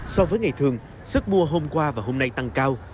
so với ngày thường sức mua hôm qua và hôm nay tăng cao